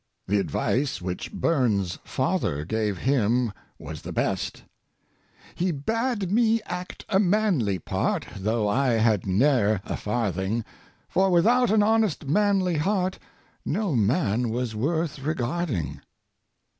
The advice which Burns 's father gave him was the best: He bade me act a manly part, though I had ne'er a farthing, For without an honest manly heart no man was worth regarding."